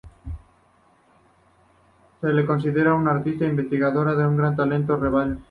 Se la considera una artista e investigadora de gran talento y relieve.